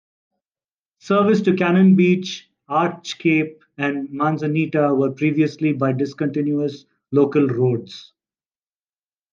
Service to Cannon Beach, Arch Cape, and Manzanita were previously by discontinuous local roads.